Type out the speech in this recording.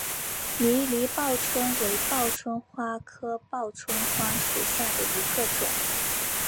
迷离报春为报春花科报春花属下的一个种。